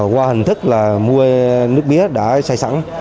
qua hình thức là mua nước mía đã xây sẵn